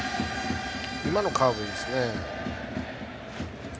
今のカーブ、いいですね。